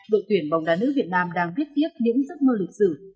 đội tuyển bóng đá nữ việt nam đang viết tiếp những giấc mơ lịch sử